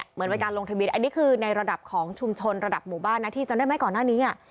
เหมือนเป็นการลงทะเบียนอันนี้คือในระดับของชุมชนระดับหมู่บ้านนะที่จำได้ไหมก่อนหน้านี้